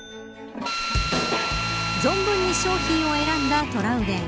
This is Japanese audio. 存分に商品を選んだトラウデン。